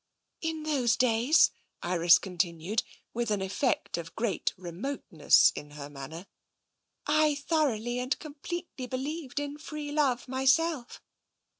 " In those days," Iris continued, with an effect of great remoteness in her manner, " I thoroughly and completely believed in Free Love myself.